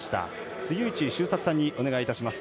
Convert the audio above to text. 杉内周作さんにお願いします。